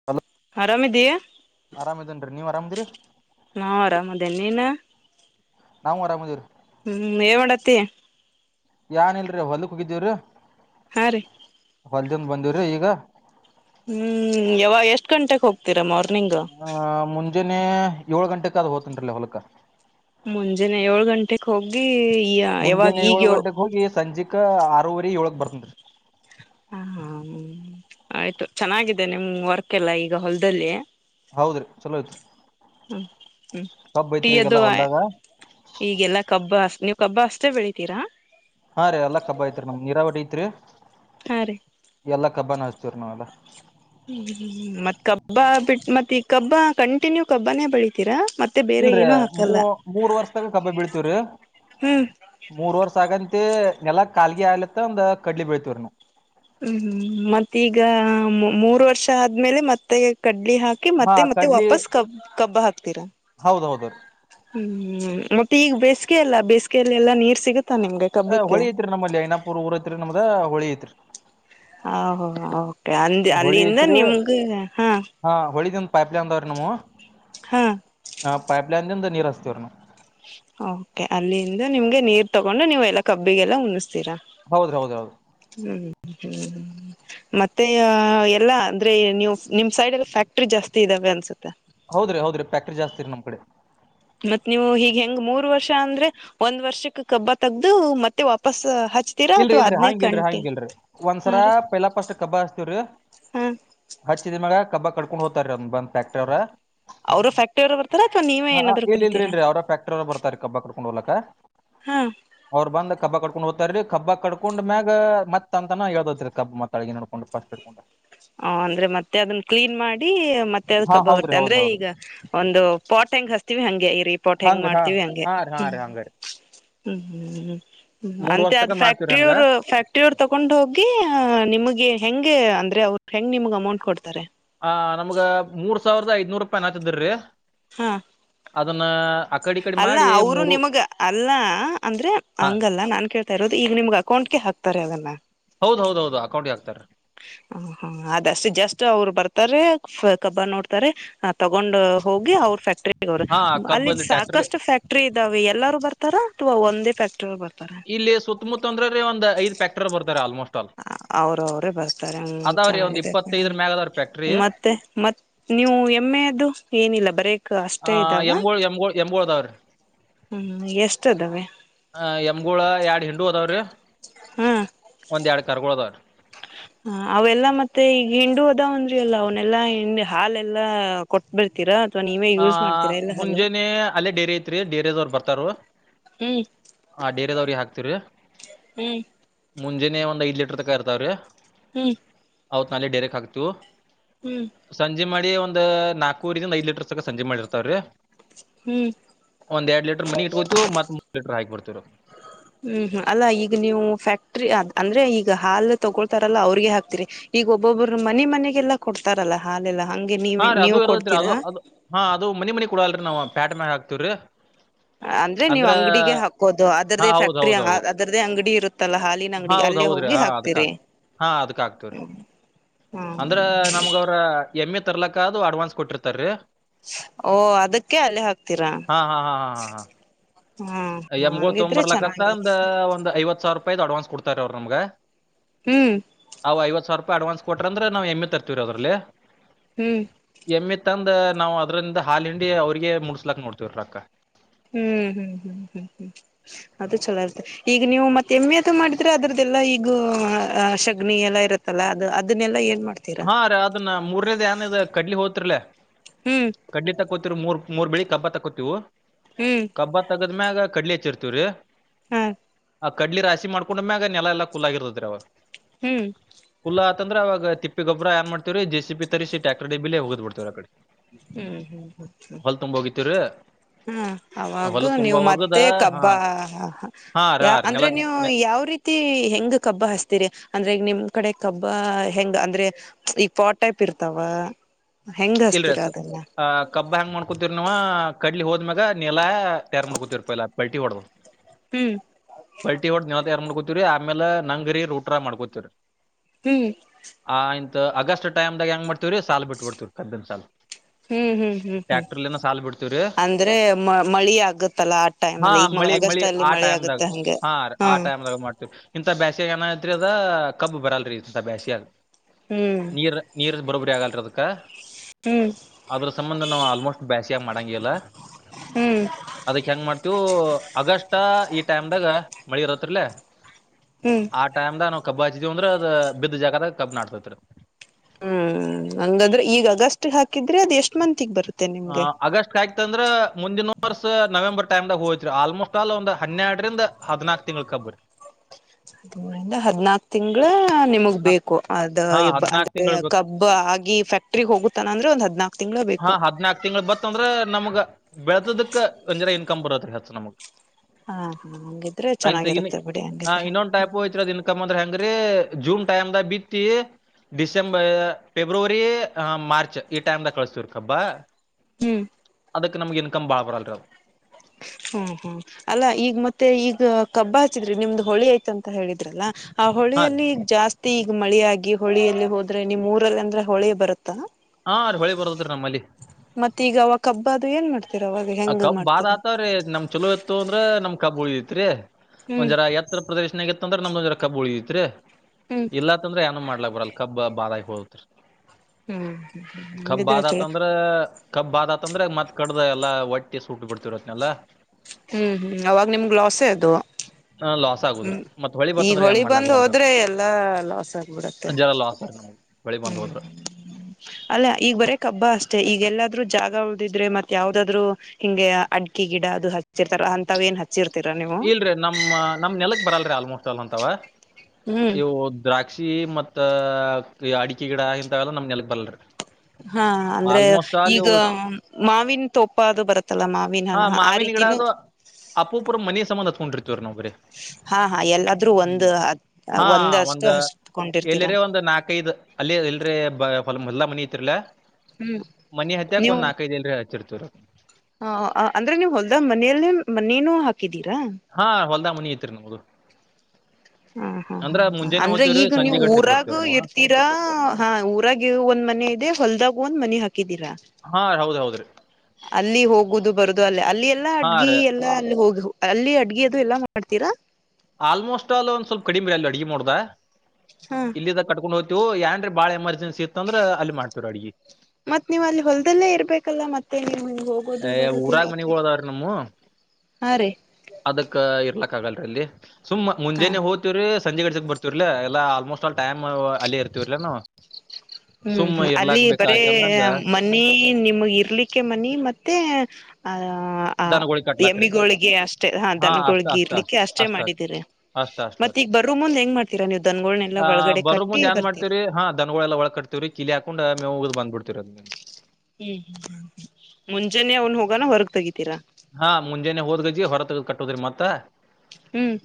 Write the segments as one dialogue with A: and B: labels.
A: Hello
B: ಆರಾಮಿದಿ.
A: ಆರಾಮ್ ಇದಿನ್ರಿ ನೀವ ಅರಾಮ್ ಇದೀರಿ.
B: ನಾನು ಆರಾಮದೀನಿ ನೀನ.
A: ನಾವು ಅರಾಮದೀವ್ರಿ.
B: ಹ್ಮ್ ಏನ್ ಮಾಡತಿ.
A: ಏನ್ ಇಲ್ರಿ ಹೊಲ್ಕ್ ಹೋಗಿದಿವ್ರಿ.
B: ಹಾ ರೀ
A: ಹೊಲ್ದಿಂದ ಬಂದಿವ್ರಿ ಈಗ.
B: ಹ್ಮ್ ಯಾವ ಎಷ್ಟ ಗಂಟೆಗೆ ಹೋಗ್ತೀರಾ ಮಾರ್ನಿಂಗ್.
A: ಆ ಮು ಜೆನೆ ಏಳು ಗಂಟೆಗೆ ಅದು ಹೋತನ್ರೀ ಹೊಲಕ.
B: ಮುಂಜಾನೆ ಏಳ್ ಗಂಟೆಕ್ ಹೋಗಿ ಈ ಯಾವಾಗ
A: ಮುಂಜಾನೆ
B: ಈಗ್
A: ಏಳ್
B: ಏ
A: ಗಂಟೆಕ್ ಹೋಗಿ ಸಂಜಿಗ್ ಕ ಆರೂವರೆ ಏಳಗ್ ಬರ್ತನ್ರಿ.
B: ಹಾ ಹಾ ಹ್ಮ್. ಆಯ್ತು ಚೆನ್ನಾಗಿದೆ ನಿಮ್ ವರ್ಕ್ ಎಲ್ಲಾ ಈಗ ಹೊಲ್ದಲ್ಲಿ.
A: ಹೌದ್ರಿ ಚಲೋ ಐತ್ರಿ.
B: ಹ್ಮ್ ಹ್ಮ್
A: ಕಬ್ಬ
B: ಈ
A: ಐತ್ರಿ
B: ಅದು
A: ಈಗೆಲ್ಲಾ
B: ಆಯ್
A: ಹೊಲ್ದಾಗ
B: ಈಗೆಲ್ಲಾ ಕಬ್ಬ ಅಷ್ ನೀವು ಕಬ್ಬ ಅಷ್ಟೇ ಬೆಳಿತೀರಾ.
A: ಹಾ ರೀ ಎಲ್ಲ ಕಬ್ಬ ಐತ್ರಿ ನಮ್ ನೀರಾವರಿ ಐತ್ರಿ.
B: ಹಾ ರೀ.
A: ಎಲ್ಲ ಕಬ್ಬಾನ್ ಹಚ್ತೀವ್ರಿ ನಾವೆಲ್ಲ.
B: ಹ್ಮ್ ಹ್ಮ್ ಹ್ಮ್ ಮತ್ ಕಬ್ಬ ಬಿಟ್ಟ ಮತ್ತ ಈ ಕಬ್ಬ ಕಂಟಿನ್ಯೂ ಕಬ್ಬಾನೇ ಬೆಳಿತೀರಾ ಮತ್
A: ಇಲ್ರೀ ಮೂ ಮೂರ್ ವರ್ಷದಾಗ ಕಬ್ಬ ಬೆಳಿತೀವ್ರಿ.
B: ಹ್ಮ್
A: ಮೂರ್ ವರ್ಷ ಆಗಂತ ನೆಲ ಕಾಲಿಗಿ ಆಗ್ಲ ಅಂತ್ತೇಳಿ ಒಂದ ಕಡ್ಲಿ ಬೆಳಿತೀವ್ರಿ ನಾವು.
B: ಹ್ಮ್ ಹ್ಮ್ ಮತ್ತ ಈಗ ಮೂರ್ ವರ್ಷ ಆದ್ಮೇಲೆ ಮತ್ತ ಕಡ್ಲಿ ಹಾಕ್ ಕಿ
A: ಹಾ
B: ಮತ್ತೆ ಮತ್ತೆ
A: ಕಡ್ಲಿ
B: ವಾಪಸ್ ಕಬ್ ಕಬ್ಬ ಹಾಕ್ತೀರಾ.
A: ಹೌದ್ ಹೌದ್ರಿ
B: ಹ್ಮ್ ಮತ್ತೆ ಈಗ ಬೇಸಿಗೆಯಲ್ಲಾ ಬೇಸಿಗೆಯಲ್ಲಿ ಎಲ್ಲಾ ನೀರ್ ಸಿಗುತ್ತಾ ನಿಮ್ಗೆ.
A: ಹಾ
B: ಕಬ್ಬಕ್ಕೆ
A: ಹೊಳಿ ಐತ್ರಿ ನಮ್ಮಲ್ಲಿ ಐನಾಪುರ್ ಊರ್ ಐತ್ರಿ ನಮದ ಹೊಳಿ ಐತ್ರಿ.
B: ಹಾ ಹಾ ಹಾ ಓಕೆ ಅಂದ
A: ಹೊಳಿ
B: ಅಲ್ಲಿಂದ
A: ಐತ್ರಿ
B: ನಿಮಗ ಹಾ.
A: ಹಾ ಹೊಳಿದ ಒಂದು ಪೈಪ್ ಲೈನ್ ಅದಾವ್ರಿ ನಮವು.
B: ಹಾ.
A: ಆ ಪೈಪ್ ಲೈನ್ ದಿಂದ ನೀರ್ ಹಚ್ತೀವ್ರಿ ನಾವ್.
B: ಓಕೆ ಅಲ್ಲಿಂದ ನಿಮ್ಗೆ ನೀರ್ ತಗೊಂಡು ನೀವ್ ಎಲ್ಲಾ ಕಬ್ಬಿಗೆಲ್ಲಾ ಉಣಿಸ್ತೀರಾ.
A: ಹೌದ್ರಿ ಹೌದು ಹೌದು.
B: ಹ್ಮ್ ಹ್ಮ್. ಮತ್ತೆ ಎಲ್ಲಾ ಅಂದ್ರೆ ನೀವು ನಿಮ್ ಸೈಡ್ ಅಲ್ಲಿ ಫ್ಯಾಕ್ಟ್ರಿ ಜಾಸ್ತಿ ಇದಾವೆ ಅನ್ಸುತ್ತೆ.
A: ಹೌದ್ರಿ ಹೌದ್ರಿ ಫ್ಯಾಕ್ಟರಿ ಜಾಸ್ತಿ ರೀ ನಮ್ ಕಡೆ.
B: ಮತ್ ನೀವು ಹೀಗ್ ಹೆಂಗ್ ಮೂರ್ ವರ್ಷ ಅಂದ್ರೆ ಒಂದ್ ವರ್ಷಕ್ಕೆ ಕಬ್ಬ ತಗ್ದು ಮತ್ತೆ ವಾಪಸ್ ಹಚ್
A: ಇಲ್ರಿ ಇಲ್ರಿ ಹಾಂಗ್ ಇಲ್ರಿ ಹಾಂಗಿಲ್ರಿ ಒಂದ್ಸರ
B: ಹಾ ರೀ
A: ಪೆಲಪ್ ಅಷ್ಟಟ್ ಕಬ್ಬ ಹಚ್ತೀವ್ರಿ.
B: ಹಾ
A: ಹಚ್ಚಿದ ಮ್ಯಾಗ ಕಬ್ಬ ಕಡ್ಕೊಂಡ್ ಹೋಗ್ತಾರೀ ಅದನ್ ಬಂದ್ ಫ್ಯಾಕ್ಟರಿ ಅವ್ರ್.
B: ಅವರು ಫ್ಯಾಕ್ಟ್ರಿ ಅವರು ಬರ್ತಾರ ಅಥವಾ ನೀವೇ
A: ಹಾ ಹಾ
B: ಏನಾದ್ರು
A: ಇಲ್ ಇಲ್
B: ಕರಿತೀರಾ
A: ಇಲ್ರಿ ಅವ್ರ ಫ್ಯಾಕ್ಟ್ರಿ ಅವ್ರ ಬರ್ತಾರ ಕಬ್ಬ ಕಡ್ಕೊಂಡ್ ಹೋಗ್ಲಕ್ಕ.
B: ಹಾ.
A: ಅವ್ ಬಂದ್ ಕಬ್ಬ ಕಕೊಂಡು ಹೋಗ್ತಾರ್ರಿ. ಕಬ್ಬ ಕಡ್ಕೊಂಡ್ ಮ್ಯಾಗ ಮತ್ [unintelligible] ಹೇಳತ್ರಿ ಕಬ್ಬ ಮತ್ ಅಳಗೆ ನೋಡ್ಕೊಂಡು ಫಸ್ಟ್ ಹಡ್ಕೊಂಡು.
B: ಹಾ ಅಂದ್ರೆ ಮತ್ತೆ ಅದನ್ನ ಕ್ಲೀನ್ ಮಾಡಿ ಮತ್ತೆ ಅದ್
A: ಹಾ
B: ಕಬ್ಬ
A: ಹೌದ್ರಿ
B: ಬರ್ತ್ತೆ ಅಂದ್ರೆ
A: ಹೌದ್ರಿ ಹೌದ್ರಿ
B: ಈಗ ಒಂದು ಪೋಟ್ ಹೆಂಗ್ ಹಚ್ತೀವಿ ಹಂಗೆ ಈ ರೀ ಪೋಟ್ ಹೆಂಗ್
A: ಹಂಗ ಹಾ
B: ಮಾಡ್ತಿವಿ ಹಂಗೆ
A: ಹಾ ರೀ ಹಾ
B: ಹ್ಮ್.
A: ರೀ ಹಂಗ ರೀ
B: ಹ್ಮ್ ಹ್ಮ್ ಹ್ಮ್
A: ಮೂರ್
B: ಅಂತ
A: ವರ್ಷ ತಕ
B: ಅದ್
A: ಮಾಡ್ತೀವ್ರಿ
B: ಫ್ಯಾಕ್ಟ್ರಿ
A: ಹಂಗ
B: ಅವರು ಫ್ಯಾಕ್ ಟ್ರಿ ಅವ್ರ್ ತಗೊಂಡ್ ಹೋಗಿ ನಿಮಗೆ ಹೆಂಗೆ ಅಂದ್ರೆ ಅವ್ರು ಹೆಂಗ್ ನಿಮಗೆ ಅಮೌಂಟ್ ಕೊಡ್ತಾರೆ.
A: ಆ ನಮ್ಗ ಮೂರ್ ಸಾವಿರದ ಐದನೂರು ರೂಪಾಯಿ ನಾತದ್ರೀ.
B: ಹಾ.
A: ಅದನ್ನ ಕಡಿ ಈ ಕಡಿ
B: ಅಲ್ಲ
A: ಮಾಡಿ ಮೂರ್
B: ಅವ್ರು ನಿಮಗ ಅಲ್ಲ ಅಂದ್ರೆ
A: ಹಾ
B: ಹಂಗಲ್ಲ ನಾನ್ ಕೇಳ್ತಾ ಇರೋದು ಈಗ ನಿಮ್ಗ ಅಕೌಂಟ್ಗೆ ಹಕ್ಕ ತರ ಯಾವಗನ್ನ.
A: ಹೌದ ಹೌದು ಹೌದು ಅಕೌಂಟಿಗ ಹಾಕ್ತಾರೆ.
B: ಹ ಹಾ ಅದಷ್ಟು ಜಸ್ಟ್ ಅವ್ರು ಬರ್ತಾರೆ ಕಬ್ಬ ನೋಡ್ತಾರೆ. ಹಾ ತಗೊಂಡ್ ಹೋಗಿ ಅವ್ರ ಫ್ಯಾಕ್ಟ್ರಿ ಅವ್ರ
A: ಹಾ ಕಬ್ಬ್
B: ಅಲ್ಲಿ
A: ಟ್ರ್ಯಾಕ್ಟರ್ಲಿ
B: ಸಾಕಷ್ಟು ಫ್ಯಾಕ್ ಕ್ಟ್ರಿ ಇದಾವೆ ಎಲ್ಲರೂ ಬರ್ತಾರ ಅಥವಾ ಒಂದೇ ಫ್ಯಾಕ್ಟ್ರಿ ಅವ್ರ ಬರ್ತಾರ.
A: ಇಲ್ಲಿ ಸುತ್ತಮುತ್ತ ಅಂದ್ರರಿ ಒಂದು ಐದ ಪ್ಯಾಕ್ಟರ್ ಬರ್ತಾವರಿ ಆಲ್ಮೋಸ್ಟ್. ಆಲ್
B: ಅವ್ರ ಅವ್ರೇ ಬರ್ತಾರೆ
A: ಅದಾವ್ರಿ ಒಂದ್
B: ಚೆನ್ನಾಗಿದೆ ಕಣಮ
A: ಇಪ್ಪತ್ತೈದರ ಮ್ಯಾಗ ಅದಾವ್ರಿ ಫ್ಯಾಕ್ಟರಿ
B: ಮತ್ತೆ ಮತ್. ನೀವು ಎಮ್ಮೆಯದು ಏನಿಲ್ಲ ಬರೆ. ಕ
A: ಆ
B: ಅಷ್ಟೇ ಇದಾವ
A: ಎಮ್ಗೊಳ್ ಎಮ್ಗೊಳ್ ಎಮ್ಗೊಳ್ ಅದಾವ್ರಿ
B: ಹ್ಮ್ ಎಷ್ಟದಾವೆ.
A: ಹ ಯಮ್ಗೂಳ ಯಾಡ್ ಹಿಂಡು ಅದಾವ್ರೀ.
B: ಹ್ಮ್
A: ಒಂದ ಯಾಡ ಕರ್ಗೋಳ ಅದಾವ್ರಿ.
B: ಹ ಅವೆಲ್ಲಾ ಮತ್ತೆ ಈಗ ಹಿಂಡು ಹದಾವಂದರಿ ಅಲ್ಲ ಅವನೆೆಲ್ಲಾ ಹಂಡ ಹಾಲೆಲ್ಲಾ. ಕೊಟ್ ಬಿಡ್ತೀರಾ ಅಥವಾ ನೀವೇ
A: ಆ
B: ಯೂಸ್ ಮಾಡ್ತೀರಾ ಎಲ್ಲ ಹಾಲು
A: ಮುಂಜೇನಿ ಅಲ್ಲೇ ಡೇರಿ ಐತ್ರಿ ಡೇರೆದವ್ರು ಬರ್ತಾರು.
B: ಹ್ಮ್
A: ಹ ಡೇರೆದವ್ರಿಗ ಹಾಕ್ತೇವ್ರಿ.
B: ಹ್ಮ್
A: ಮುಂಜಾನಿ ಒಂದ್ ಐದ್ ಲೀಟರ್ ತಕ ಇರ್ತಾವ್ರೀ.
B: ಹ್ಮ್
A: ಅವೌತ್ ನಾಲಿ ಡೇರೆಕ್ ಹಾಕ್ತವ್ಯೂ.
B: ಹ್ಮ್
A: ಸಂಜಿ ಮಾಡಿ ಒಂದ್ ನಾಕುವರಿದಿಂದ ಐದ್ ಲೀಟರ್ ಸಕ ಸಂಜಿ ಮಾಡಿರ್ತಾವ್ರಿ.
B: ಹ್ಮ್
A: ಒಂದ್ ಎರಡ್ ಲೀಟರ್ ಮನಿಗ ಇಟ್ಕೋತಿವ ಮತ್ ಮೂರ್ ಲೀಟರ್ ಹಾಕ ಬಿಡ್ತತಿವ್ರಿ.
B: ಹ್ಮ್ ಹ್ಮ್ ಅಲ್ಲಾ ಈಗ ನೀವು ಫ್ಯಾಕ್ಟ್ರಿ ಅದ ಅಂದ್ರೆ ಈಗ ಹಾಲ್ ತಗೊಳ್ತಾರಲ್ಲ ಅವ್ರಗೆ ಹಾಕ್ತಿರಿ. ಈಗ ಒಬ್ಬೊಬ್ಬರು ಮನೆ ಮನೆಗೆಲ್ಲಾ ಕೊಡ್ತಾರಲ್ಲ ಹಾಲೆಲ್ಲಾ ಹಂಗೆ
A: ಹಾ
B: ನೀವೆ
A: ರೀ
B: ನೀವ
A: ಅದು ಇರ್ತೈತ್ರಿ ಅದು
B: ಕೊಡ್ತೀರಾ.
A: ಅದು ಹಾ ಅದು ಮನಿಮನಿ ಕುಡಲ್ರಿ ನಾವು ಪ್ಯಾಟ ಮ್ಯಾಗ ಹಾಕ್ತಿವ್ರೀ.
B: ಅಂದ್ರೆ ನೀವು ಅಂಗಡಿಗೆ ಹಾಕೋದು
A: ಹಾ
B: ಅದ್ರದೇ
A: ಹೌದ್
B: ಫ್ಯಾಕ್ಟ್ರಿ
A: ಹೌದ್ ಹೌದ್ರಿ
B: ಅದ್ರದೆ ಅಂಗಡಿ ಇರುತ್ತ. ತ್ತಲ್ಲ ಹಾಲಿನ ಅಂಗಡಿ
A: ಹಾ ಹೌದ್
B: ಅಲ್ಲೇ
A: ಹೌದ್ರಿ
B: ಹೋಗಿ
A: ಹಾ ಅದಕ್ಕ
B: ಹಾಕ್ತಿರಿ.
A: ಹಾಕ್ ಹಾ ಅದಕ್ ಹಾಕ್ತಿವ್ರೀ
B: ಹ್ಮ
A: ಅಂದ್ರ ನಮಗ ಅವ್ರ. ಎಮ್ಮೆ ತರ್ಲಕ್ಕ ಅದು ಅಡ್ವಾನ್ಸ್ ಕೊಟ್ಟಿರ್ತಾರೀ.
B: ಓ ಅದಕ್ಕೆ ಅಲ್ಲೆ ಹಾಕ್ತೀರಾ
A: ಹಾ
B: ಹ್ಮ.
A: ಎಮ್ಗಳ ತೊಂಬ ಬರ್ಲಕ್ಕತ್ತಂದ ಒಂದ್ ಐವತ್ ಸಾವಿರ ರೂಪಾಯಿದ ಅಡ್ವಾನ್ಸ್ ಕೊಡ್ತಾರ ಅವ್ರು ನಮ್ಗ.
B: ಹ್ಮ್
A: ಅವು ಐವತ್ ಸಾವಿರ ರೂಪಯಿ ಅಡ್ವಾನ್ಸ್ ಕೊಟ್ಟ್ರಂದ್ರ ನಾವ್ ಎಮ್ಮಿ ತರ್ತಿವಿರದ್ರಲ್ಲಿ.
B: ಹ್ಮ್
A: ಎಮ್ಮಿತ್ಂದ ನಾವು ಅದ್ರಿಂದ ಹಾಲ ಹಿಂಡಿ ಅವ್ರಿಗೆ ಮುಟ್ಸ್ಲಾಕ್ ನೋಡ್ತೀವ್ರಿ ರಕ್ಕ.
B: ಹ್ಮ್ ಹ್ಮ್ ಹ್ಮ್ ಹ್ಮ್ ಹ್ಮ್ ಅದು ಚಲೋ ಇರ್ತೆ ಈಗ. ಈಗ ನೀವು ಮತ್ತೆ ಎಮ್ಮೆದ ಮಾಡಿದ್ರ ಅದ್ರದ್ದೆಲ್ಲ ಈಗ ಅ ಶಗ್ನಿ ಎಲ್ಲಾ ಇರುತ್ತಲ್ಲ ಅದು ಅದನ್ನೆಲ್ಲ ಏನ್ ಮಾಡ್ತ
A: ಹಾ ರ ಅದನ್ನ ಮೂರನೇದ ಯಾನದ ಕಡ್ಲಿ ಹೋತ್ರಿಲ.
B: ಹ್ಮ್
A: ಕಡ್ಲಿ ತಗೋತಿರು ಮೂರ್ ಮೂರ್ ಬೆಳಿ ಕಬ್ಬ ತಕ್ಕೊತಿವು.
B: ಹ್ಮ್
A: ಕಬ್ಬ ತಗದ್ಮ್ಯಾಗ ಕಡ್ಲಿ ಹೆಚ್ಚಿರ್ತೀವ್ರೀ.
B: ಹಾ
A: ಆ ಕಡ್ಲಿ ರಾಶಿ ಮಾಡ್ಕೊಂಡ್ಮ್ಯ ಆಗ ನೆ ಎಲ್ಲಾ ಕುಲ್ ಆಗರ್ತದೀ ಅವ್
B: ಹ್ಮ್
A: ಕುುಲ್ಲಾ ಅಂತಂದ್ರೆ ಅವಾಗ ತಿಪ್ಪ ಗೊಬರ ಏನ್ ಮಾಡ್ತವ್ರ ಜೆ ಸಿ ಬಿ ತರಿಸ ಟ್ಯಾಕ್ಟರ್ ಡಿ ಬಿಿ ಹೋಗದ್ ಬಿಡ್ತವ್ರ ಆ ಕಡೆ
B: ಹ್ಮ್ ಹ್ಮ್
A: ಹೊಲ ತುಂಬ ಹೋಗಿತ್ತೀವ್ರಿ
B: ಹ್ಮ ಅವಾಗ
A: ಹೊಲ ತುಂಬ
B: ನೀವು
A: ಹೋಗದ
B: ಮತ್ತೆ
A: ಹಾ
B: ಕಬ್ಬ
A: ಹಾ ರೀ
B: ಯ
A: ಹಾ ರೀ ನೆಲ
B: ಅಂದ್ರೆ ನೀವು
A: ನೆ-
B: ಯಾವ ರೀತಿ ಹೆಂಗ್ ಕಬ್ಬ ಹಸ್ತೀರಿ ಅಂದ್ರೆ ನಿಮ್ ಕಡೆ ಕಬ್ಬ ಹೆಂಗ ಅಂದ್ರೆ ಈ ಪಾ ಟೈಪ್ ಇರ್ತಾವ ಹೆ
A: ಇಲ್ರ ಆ ಕಬ್ಬ ಹೆಂಗ್ ಮಾಡ್ಕೊತಿರ ನವ ಕಡ್ಲಿ ಹೋದ್ಮ್ಯಾಗ ನೆಾ ತೇರ್ ಮಾಡ್ಕೂತಿರ್ಪಯಿಲ್ಲ ಅ ಪಲ್ಟಿ ಹೊಡದು
B: ಹ್ಮ್
A: ಬಲ್ಟಿ ಹೊೋಡ್ ದಿನ ಯಾರ್ ಮಾಡ್ಕೋತಿವರಿ ಆಮೇಲೆ ನಂಗರಿ ಊಟ್ರ ಮಾಡ್ಕೋತೀವರಿ
B: ಹ್ಮ್
A: ಆ್ತ್ ಅಗಸ್ಟ್ ಟೈಮ್್ದಾಗ ಹೆಂಗ ಮಾಡ್ತತಿವ್ರೀ ಸ ಸಾಾಲ ಬಿಟ್ಟಬಡ್ತವ್ರ ಕದ್ದನ್ ಸಾಲ್
B: ಹ್ಮ್ ಹ್ಮ್ ಹ್ಮ್ ಹ್ಮ್
A: ಟ್ರ್ಯಾಕ್ಟರ್ಲಿನ ಸಾಲ್ ಬಿಡ್ತೀವ್ರಿ
B: ಅಂದ್ರೆ ಮ ಮಳಿ ಆಗತ್ತಲ್ಲ ಆ ಟೈಮ್
A: ಹಾ
B: ಅಲ್ಲಿ ಈಗ
A: ಮಳಿ ಮಳಿ
B: ಆಗಸ್ಟ್ ಅಲ್ಲಿ
A: ಆ
B: ಮಳೆ
A: ಟೈಮ್್ದಾಗ
B: ಆಗುತ್ತೆ ಹಂಗೆ
A: ಹಾ ಆ ಟೈಮದಾಗ ಮಾಡ್ತೀವಿ ಇಂಥ ಬೇಾಸಿಯಾಗ ಏನ ಐತ್ರಿ ಅದ ಕಬ್ಬ ಬರಲ್ರಿ ಇಂತ ಬೇಾಸಿಯಾಗ
B: ಹ್ಮ್
A: ನೀರು ನೀರು ಬರಬುರಿ ಆಗಲ್ದಕ್ಕ
B: ಹ್ಮ್
A: ಅದ್ರ ಸಂಬಂಧ ನಾವು ಆಲ್ಮೋಸ್ಟ್ ಬ್ಯಾಸಿಯಾಗ ಮಾಡಂಗಲ್ಲ
B: ಹ್ಮ್
A: ಅದಕ್ ಹೆಂಗ್ ಮಾಡ್ತಿವು ಅಗಸ್ಟ್ ಈ ಟೈಮ ದಾಗ ಮಳಿ ಇರತ್ರಿಲೇ
B: ಹ್ಮ್
A: ಆ ಟೈಮ್ ನವು ಕಬ್ ಹಚಿದತಿವಿಂದ್ರ ಅದ ಬಿದ್ ಜಾಗದಾಗ ಕಬ್ ನಾತತ್ರಿ
B: ಹ್ಮ್ ಹಂಗಾದ್ರೆ ಈಗ ಅಗಸ್ಟ್ ಹಾಕಿದ್ರೆ ಅದ ಎಷ್ಟ್ ಮಂತಗ್ ಬರುತ್ತೆ
A: ಹ
B: ನಿಮ್ಗೆ
A: ಆಗಸ್ಟ್ ಆಯ್ತ ಅಂದ್ರ ಮುಂದಿನ ವರ್ಷ ನವೆಂಬರ್ ಟೈಮ್ ದಾಗ ಹೋಯ್ತ್ರಿ ಆಲ್ಮೋಸ್ಟ್ ಅಲ್ ಒಂದು ಹನ್ನೆರಡರಿಂದ ಹದ್ನಾಕ್ ತಿಂಗಳಕ್ಬ್ಬರಿ
B: ಹದ್ನಾಕ ತಿಂಗಳ ನಿಮಗ್ ಬೇಕು ಅದ
A: ಹಾ ಹದಿನಾಲ್ಕು
B: ಅಂದ್ರೆ
A: ತಿಂಗಳ
B: ಕಬ್ಬ ಆಗಿ ಫ್ಯಾಕ್ಟ್ರ ಹೋಗುತ್ತಾನ ಅಂದ್ರೆ ಒಂದ ಹದ್ನಾಕ ತಿಂಗಳ ಬೇಕು
A: ಹಾ ಹದಿನಾಕು ತಿಂಗಳು ಬತ್ ಅಂದ್ರೆ ನಮಗ ಬೆಳತದಕ್ [unintelligible] ಇನ್ಕಮ್ ಬರತ್ ರೀ ಹೆಸ ನಮಗ್
B: ಹಾ ಹಾ ಹಂಗಿದ್ರೆ ಚೆನ್ನಾಗಿರುತ್ತೆ ಬಿಡಿ ಹಂಗಿದ್ರೆ
A: ಇಕ್ಕಂದ್ರೆ ಹಂಗ್ರಿ ಜೂನ್ ಟೈಮ್ ದಾಗ ಬಿತ್ತಿ ಡಿಸೆಂಬರ್ ಫೆಬ್ರವರಿ ಮಾರ್ಚ್ ಈ ಟೈಮ್ ದಾಗ ಕಳಸ್ತವ್ರ ಕಬ್ಬಾ
B: ಹ್ಮ್
A: ಅದಕ್ಕೆ ನಮಗೆ ಇನ್ಕಮ ಬಾಳ ಬರಲ್ರಿದು
B: ಹ್ಮ ಹ್ಮ ಅಲ್ಲಾ ಈಗ ಮತ್ತೆ ಈಗ ಕಬ್ಬ ಹಚ್ಚಿದ್ರಿ ನಿಮ್ದ್ ಹೊಳಿ ಆಯ್ತಂತ ಹೇಳಿದ್ರಲ್ಲ ಆ
A: ಹಾ ರೀ
B: ಹೊಳಿಯಲ್ಲಿ ಜಾಸ್ತಿ ಈಗ ಮಳೆ ಆಾಗಿಿ ಹೋಳಿಯಲ್ಲಿ ಹೋದ್ರೆ ನಿ್ಮೂರಲ್ಲಿ ಅಂದ್ರೆ ಹೊಳೆ ಬರುತ್ತಾ
A: ಹಾಂ ರೀ ಹೊಳಿ ಬದ ರೀ ನಮ್ಮಲ್ಲಿ
B: ಮತ್ತೆ ಈಗ ಅವ ಕಬ್ಬ ಅದು ಏನ್ ಮಾಡ್ತೆ -ರವಾಗ
A: ಆ ಕಬ್ ಬಾದ್ ಆತವ್ರೀ ನಮ್ ಚಲೋ ಎತ್ತು ಅಂದ್ರ ನಮ್ ಕಬ್ ಉಳಿದತ್ರಿ ಒಂದ್
B: ಹ್ಮ್
A: ಜರ ಎತ್ ಎತ್ರ ಪ್ರದರ್ಶನ ಆಗತ್ತ ಅಂದ್ರ ನಮ್ದೊಂದ ರ ಕಬ್ಬ ಉಳಿ ಐತ್ರಿ
B: ಹ್ಮ್ ಹ್ಮ್
A: ಇಲ್ಲಾತ್ತಂದ್ರೆ ಏನ ಮಾಡ್ಲಕ್ ಬರಲ್ಲ ಕಬ್ ಬಾದ ಹೋೋಗತ್ರಿ
B: ಹ್ಮ್ ಹಂಗಿದ್ರೆ
A: ಕಬ್ಬಾದತ್
B: ಚಲೋ
A: ಅಂದ್ರ ಕಬ್ಬಾದಾತಂದ್ರೆ ಮತ್ ಕಡ್ದ ಎಲ್ಲಾ ಒಟ್ಟಿ ಸೂಟ್ಟ ಬಿಡ್ತಿರರೇಲ್ಲ
B: ಹ್ಮ್ ಹ್ಮ್ ಅವಾಗ ನಿಮ್ಗ್ ಲಾಸೆ ಅದು
A: ಹ ಲಾ ದ್ರಿ
B: ಹ್ಮ್
A: ಮತ್ತ ಹೊಳಿ
B: ಈಗ
A: ಬತ್ತಂದ್ರೆ ಏನ್
B: ಬಂದ್
A: ಮಾಡ್ಲರಲ್ರ
B: ಹೋದ್ರೆ ಎಲ್ಲಾ ಲಾಸ್ ಆಗ್ಬಿಡತ್ತೆ
A: ಜರಲ್ಲ ಆ ನಮಗೆ ಮಳಿ ಬಂದು ಹೋದ್ರು
B: ಅಲ್ಲ ಈಗ ಬರೇ ಕಬ್ಬ ಅಷ್ಟೇ ಈಗ ಎಲ್ಲಾದ್ರೂ ಜಾಗ ಉಳಿದಿದ್ರೆ ಮತ್ ಯಾವ್ದಾದ್ರು ಹಿಂಗೆ ಅಡ್ಕೆ ಗಿಡ ಅದು ಹಚ್ಚಿರ್ತಾರ ಅಂತವ ಏನ್ ಹಚ್ಚಿರ್ತೀರ ನೀವು
A: ನಮ್ ನಮ್ ನೆಲಕ್ ಬರಲ್ರಿ ಆಲ್ಮೋಸ್ಟ್ ಅಲ್ಂತಾವ
B: ಹ್ಮ್
A: ಇವು ದ್ರಾಕ್ಷಿ ಮತ್ತ ಅಡಿಕೆ ಗಿಡ ಇಂಥವೆಲ್ಲಾ ನಮ್ ನೆಲಕ್ ಬರಲ್ರಿ
B: ಹಾ ಅಂದ್ರೆ ಈಗ
A: ಇವು
B: ಮಾವಿನ ತೋಪ್ಪ ಅದು ಬರುತ್ತಲ್ಲ ಮಾವ
A: ಹಾ ಮಾವಿನ ಗಿಡದು ಅಪ್ಪುಪರ ಮನಿ ಸಂಬಂಧ ಹತ್ಕೊಂಡಿರ್ತಿವ್ರ ನಾವು ಬರೇ
B: ಹಾ ಹಾ ಎಲ್ಲಾದ್ರೂ ಒಂದು
A: ಹ್ಮ್ ಹಾ
B: ಒಂದಷ್ಟು
A: ಒಂದು
B: ಹಚ್ಕೊಂಡಿರ್ತೀರಾ
A: ಎಲ್ಲೇರೆ ಒಂದು ನಾಕೈದು ಅಲ್ಲಿ ಎಲ್ರರಿ ಬ ಹೊ ಹೊಲ್ಲಾ ಮನಿ ಇತ್ತರ್ಲಾ
B: ಹ್ಮ್
A: ಮನಿ ಹತ್ತಕ್ ಒಂದ್ ನಾಕೈದು ಎಲ್ರರಿ ಹಚ್ಚಿರ್ತರಿ
B: ಹ ಅಂದ್ರೆ ನೀವು ಹೊಲ್ದ ಮನೆಯಲ್ಲೇ ಮನೇನು ಹಾಕಿದ್ದೀರಾ
A: ಹಾ ಹೊಲ್ದ ಮುನಿ ಐತ್ರಿ ನಮ್ದು ದು
B: ಹಾ ಹಾ ಹಾ
A: ಅಂದ್ರ
B: ಹಾ
A: ಮುಂಜೆನೆ
B: ಅಂದ್ರೆ
A: ಹೋಗ್ತೀವ್ರೀ
B: ಈಗ ನೀವು
A: ಸಂಜೆಗಡ್ಸಕ್
B: ಊರಾಗ
A: ಬರ್ತೀವ್ರ ನಾ
B: ಇರ್ತೀರಾ ಹಾ ಊರಾಗ ಒಂದ್ ಮನೆ ಇದೆ ಹೊಲ್ದಾಗ ಒಂದ್ ಮನೆ ಹಾಕಿದೀರಾ
A: ಹಾ ಹೌದ್ ಹೌದ್ರಿ
B: ಅಲ್ಲಿ ಹೋಗುದು ಬರುದು ಅಲ್ಲ ಅಲ್ಲಿ ಎಲ್ಲಾ
A: ಹಾ
B: ಅಡ್ಗಿ
A: ರೀ
B: ಎಲ್ಲಾ ಅಲ್ಲಿ ಹೋಗ ಅಲ್ಲಿ ಅಡ್ಗೆ ಅದು ಎಲ್ಲ ಮಾಡ್ತೀರಾ
A: ಆಲ್ಮೋಸ್ಟ್ ಆಲ್ ಒಂದ್ ಸ್ವಲ್ಪ ಕಡಿಮೆ ಅಡ್ಗೆ ಮಾಡ್ದ
B: ಹಾ
A: ಇಲ್ಲಿಂದ ಕಕೊಂಡ್ ಹೋಗ್ತಿವ ಯಾನ್ರೆ ಬಾಳ ಎಮರ್ಜನ್ಸಿ ಇ ಅಂದ್ರ ಅಲ್ಲಿ ಮಾಡ್ತವ್ ಅಡಗಿ
B: ಮತ್ ನೀವ ಅಲ್ಲಿ ಹೊಲದಲ್ಲೇ ಇರ್ಬೇಕಲ್ಲ ಮತ್ತೆ ನೀವ್ ಹಂಗ ಹ
A: ಅಯ ಊರಾಗ ಮನಿಗೋಳದವ್ರ ನಮ್ಮು
B: ಹಾ ರೀ
A: ಅದಕ್ ಇರ್ಲಕ್ ಆಗಲ್ರಿ ಅಲ್ಲಿ ಸುಮ್ಮ್
B: ಹಾ
A: ಮುಂಜೆನೆ ಹೋಗತಿವ್ರಿ ಸಂಜೆ ಗಿಸಕ್ ಬರ್ತಿವರ್ಲಾ ಎಲ್ಲ ಆಲ್ಮೋಸ್ಟ್ ಆಲ್ ಟೈಮ್ ಅಲ್ಲಿ ಇರ್ತಿವರ್ಲಾನಾವ
B: ಹ್ಮ್ ಹ್ಮ್ ಅಲ್ಲಿ ಬರೇ
A: ಅಂದಂಗ
B: ಮ ನೀ ನಿಮಗ್ ಇರ್ಲಿಕ್ಕೆ ಮನಿ ಮತ್ತೆ ಆ ಆ
A: ದನಗಳಿಗೆ ಕಟ್ಲಾಕ್ರಿ
B: ಎಮ್ಮಿಗಳೋಳ್ಗೆ ಅಷ್ಟೇ ಹಾ
A: ಅಷ್ಟ
B: ದನಗಳೋಳ್ಗೆ
A: ಅಷ್ಟ
B: ಇರ್ಲಿಕ್ಕೆ
A: ಅಷ್ಟ
B: ಅಷ್ಟೇ
A: ಅಷ್ಟ ರೀ
B: ಮಾಡಿದ್ದೀರಿ
A: ಅಷ್ಟ ಅಷ್ಟ
B: ಮತ್ತ
A: ರೀ
B: ಈಗ ಬರೋ ಮುಂದ್ ಹೆಂಗ ಮಾಡ್ತೀರಾ ನೀವ್ ದನ್ಗಳನೆಲ್ಲಾ ಒಳಗಡೆ ಕಟ್ಟಿ ಬರ್ತೀರಾ
A: ದನ್ಗಳಲ್ಲ ಒಳಗ್ ಕಟ್ಟತಿವರಿ ಕಿಲಿ ಹಾಕೋಂಡ ಮೇವುಒಗದ ಬಂದ್ ಬಿಡತೀವರೀ ಅದ
B: ಹ್ಮ್ ಮುಂಜಾನೇ ಅವ್ನ್ ಹೋಗಾನ ಹೊರ್ಗ್ ತಗಿತೀರಾ
A: ಮುಂಜಾನೆ ಹೋದಗಜ್ ಹೊರ ತಗದ ಕಟ್ಟದ್ರಿ ಮತ್ತ
B: ಹ್ಮ್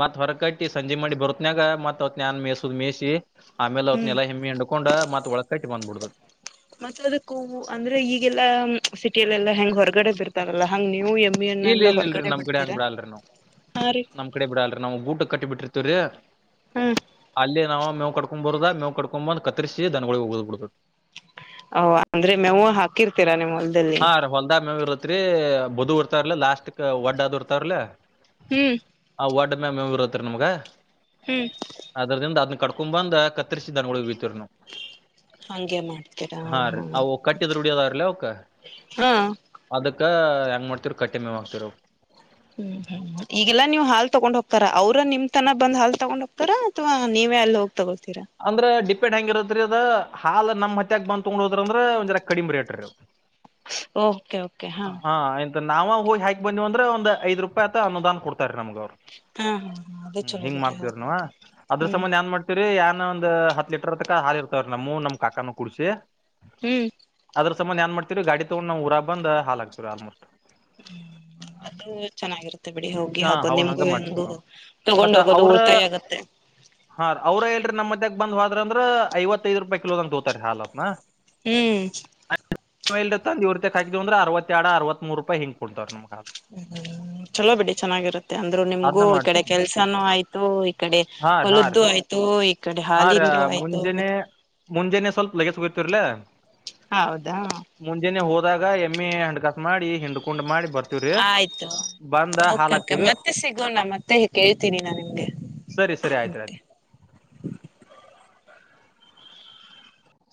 A: ಮತ್ ಹೊರ ಕಟ್ಟಿ ಸಂಜೆ ಮಾಡಿ ಬರತ್ನಯಾಗ ಮತ್ ಅವತ್ ನಾನ್ ಮೇಯಸುದ್ ಮೇಯಿಸಿ ಆಮೇಲೆ
B: ಹ್ಮ್
A: ಅವತ್ನೆಲ್ಲಾ ಎಮ್ಮಿ ಹಿಡ್ಕೊಂಡ್ ಮತ್ ಒಳ ಕಟ್ಟಿ ಬಂದ್ಬಿಡ್ದು
B: ಮತ್ತ ಅದಕ್ಕ ಹೂವು ಅಂದ್ರೆ ಈಗೆಲ್ಲಾ ಸಿಟಿಯಲ್ಲೆಲ್ಲಾ ಹೆಂಗ್ ಹೊರಗಡೆ ಬರ್ತೆ ಲ್ಲ ಹಂಗ್ ನೀವು
A: ಇಲ್
B: ಎಮ್ಮಿಯನ್ನೆಲ್ಲ
A: ಇಲ್ ಇಲ್ರಿ
B: ಹೊರಗಡೆ
A: ನಮ್ ಕಡೆ ಹಂಗ್
B: ಬಿಡ್ತೀರಾ
A: ಬಿಡಲ್ರಿ ನಾವ್
B: ಹಾ ರೀ
A: ನಮ್ ಕಡೆ ಬಿಡಲ್ ನಾವು ಗುಟಕ ಕಟ್ಟಿ ಬಿಟ್ಟಿರ್ತವ್ರೀ
B: ಹ್ಮ್
A: ಅಲ್ಲಿ ನಾವು ಮೇವ ಕಟ್ಕ ಕೊ ಬರ್ದ ಮೇವು ಕಕೊಂಬಂದು ಕರ್ರಿಸಿ ದನಗೋಳಗಿ ಒಗದ ಬಿಡುದ
B: ಓ ಅಂದ್ರೆ ಮೆವು ಹಾಕಿರ್ತೀರಾ ನಿಮ್ಮಲ್ಲಿ
A: ಹಾ ರೀ ಹೊಲ್ದ ಮೇವ ಇರತ್ರಿ ಬದು ಇರ್ತಾರ್ಲ ಲಾಸ್ಟ್ ಕ ಒಡ್ಡದು ಇರ್ತಾವಲಾ
B: ಹ್ಮ್
A: ವಡ್ಡ ಮೇವು ಇರುತ್ತದ ನಮ್ಗ
B: ಹ್ಮ್
A: ಅದ್ರದಿಂದ ಅದನ್ನ ಕಡ್ಕೊ ಬಂದ್ ಕತ್ತರಿಸಿ ದನ್ಗಳ ಬೀತರ್ನು
B: ಹಂಗೆ ಮಾಡ್ತೀರಾ
A: ಹಾ ರೀ ಅವು ಕಟ್ಟಿದ್ರುಡಿಯೋದಾವ್ರಲ ಅವಕ
B: ಹಾ
A: ಅದಕ್ಕ ಹೆಂಗ ಮಾಡ್ತತಿರ ಕಟ್ಟೆ ಮೇವ್ ಹಕ್ತಿರವ್
B: ಹ್ಮ್ ಹ್ಮ್ ಈಗೆಲ್ಲಾ ನೀವು ಹಾಲ್ ತಗೊಂಡ್ ಹೋಗ್ತಾರ ಅವ್ರ ನಿಮ್ ತನ ಬಂದ ಹಾಲ್ ತಗೊಂಡ್ ಹೋಗ್ತಾರ ಅಥವಾ ನೀವೇ ಅಲ್ಲಿ ಹೋಗ್ ತಗೊಳ್ತೀರಾ
A: ಅಂದ್ರೆ ಡಿಪೆಂಡ್ ಹೆಂಗರತ್ರಿ ಅದ ಹಾಲ್ ನಮ ಹಟ್ಟಿಯಗ್ ಬಂದ್ ತೊಂಡ್ ಹೋದ್ರ ಅಂದ್ರ ಒಂದ್ರಾ ಕಡಿಮಿ ರೇಟ್ ರೀ
B: ಓಕೆ ಓಕೆ
A: ಹಾ ನಾವ ಹೋಗಿ ಹಾಕಿ ಬಂದ್ವಿ ಅಂದ್ರೆ ಒಂದ್ ಐದ್ ರೂಪಾಯಿ ಅನುದಾನ ಕೊಡ್ತಾರಿ ನಮ್ಗ ಅವ್ರು
B: ಹಾ ಹಾ ಅದೇ
A: ಹ್ಮ
B: ಚಲೋ
A: ಹಿಂಗ್
B: ಬಿಡ್ರಿ
A: ಮಾಡ್ತವ್ರನುವ
B: ಹೋಗೋಕೆ
A: ಅದ್ರ
B: ಹ್ಮ್
A: ಸಂಬಂಧ ಎನ್ ಮಾಡ ಇರಿ ಏನ್ ಒಂದ್ ಹತ್ ಲೀಟರ್ದಕ ಹಾಲಿ ಇರ್ತವ್ರೀ ನಮ ನಮ್ ಕಾಕಾನ ಕುೂಡ್ಸಿ
B: ಹ್ಮ್
A: ಅದ್ರ ಸಂಬಧ ಏನ್ ಮಾಡ್ತಿೀ ಗಾಡಿ ತಗೊಂಡ ನವು ಊರಗ್ ಬಂದ ಹಾಲ್ ಹಾಕ್ತಿವಿ ಆಲ್ಮೋಸ್ಟ್
B: ಹ್ಮ ಅದು ಚೆನ್ನಾಗಿರುತ್ತೆ ತ್ತೆ ಬಿಡಿ ಹೋಗಿ
A: ಹಾ
B: ಹಾಕದು
A: ಹೌದ್ ಹಂಗ
B: ನಿಮ್ಗೂ
A: ಮಾಡ್ತೀವ್ರಿ
B: ಒಂದು
A: ನಾವ್
B: ತಗೊಂಡ್
A: ಮತ್ತ
B: ಹೋಗೋದು
A: ಅವ್ರ
B: ಉಳ್ತಾಯ ಆಗತ್ತೆ
A: ಹಾ ಅವ್ರ ಹೇಳಲ್ರಿ ನಮ್ಮ ಮದ್ಯಕ ಬಂದ ಹೊದ್ರ ಅಂದ್ರ ಐವತ್ತೈದು ರೂಪಾಯಿ ಕಿಲೋ ಅಂತ ತೋತಾರ ಹಾಲ್ನ
B: ಹ್ಮ್
A: ಇತ್ತ ಅವ್ರ ಹತ್ರಕ್ ತಗೊಂಡೋಗ್ ಹಕಿದ ಅಂದ್ರ ಅರವತ್ತ ಎರಡು ಅರತ್ ಮೂರ್ ರೂಪಾಯಿಂಗ್ ಕೊಡ್ತವ್ರ ನಮ್ಗ
B: ಹ್ಮ್ ಚಲೋ ಬಿೇಡಿ ಚೆನ್ನಾಗಿರುತ್ತೆ ಮ ಅಂದ್ರು ನಿಮ್ಗೂ
A: ಅದನ್ನ
B: ಈ ಕಡೆ
A: ಮಾಡ್ತೀವ್ರಿ ನಾವ್.
B: ಕೆಲ್ಸಾನೂ ಆಯ್ತು ಈ ಕಡೆ
A: ಹಾ ರೀ ಹಾ ರೀ
B: ಹೊಲ್ದು ಆಯ್ತು ಈ ಕಡೆ ಹಾಲಿಂದು ಆಯ್ತು
A: ಮುಂಜೆಾನೇ ಸ್ವಲ್ಪ ಲಲೆಗಸಗೋತಿರ್ಲಾ
B: ಹೌದಾ
A: ಮುಂಜೆಾನೆ ಹೋದಾಗ ಎಮ್ಮೆ ಹಣಂಡ್ಕಾಸ ಮಾಡಿ ಹಿಂಡ್ಕುಂಡ್ ಮಾಡಿ ಬರ್ತವಿ
B: ಆಯ್ತು ಒಕೆ ಒಕೆ
A: ಹಾಕ್ತಿವ್ರಿ
B: ಮತ್ತೆ ಸಿಗೋಣ ಮತ್ತೆ ಕೇಳ್ತೀನಿ ನಾ ನಿಮ್ಗೆ
A: ಸರಿ ಸರಿ ಆಯ್ತು ಆಯ್
B: ಮತ್ತೆ